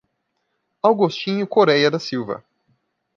Augostinho Coreia da Silva